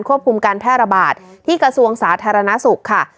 คุมการแพร่ระบาดที่กระทรวงสาธารณสุขค่ะ